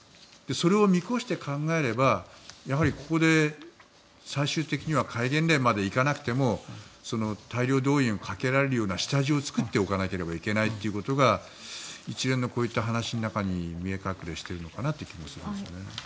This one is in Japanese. それを見越して考えればやはりここで最終的には戒厳令まで行かなくても大量動員をかけられるような下地を作っておかなければいけないということが一連のこういった話の中に見え隠れしているのかなという気もしますね。